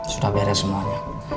sudah beres semuanya